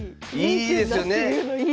いいですよね。